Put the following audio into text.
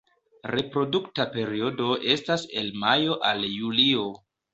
Reprodukta periodo estas el majo al julio.